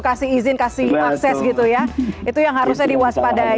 kasih izin kasih akses gitu ya itu yang harusnya diwaspadai